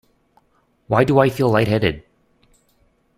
Why do I feel light-headed?